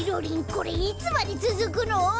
これいつまでつづくの？